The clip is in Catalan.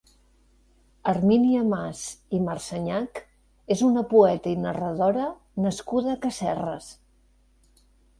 Hermínia Mas i Marssenyac és una poeta i narradora nascuda a Casserres.